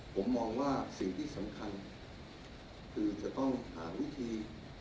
ผมมองว่าสิ่งที่สำคัญคือจะต้องหาวิธี